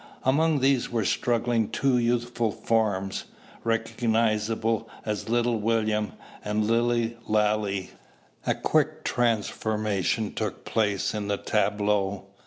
Among these were struggling two youthful forms, recognisable as little William and Lilly Lalee. A quick transformation took place in the tableau.